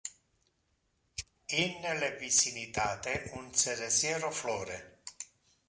In le vicinitate un ceresiero flore.